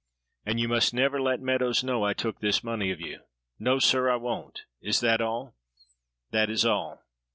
"And you must never let Meadows know I took this money of you." "No, sir, I won't! is that all?" "That is all."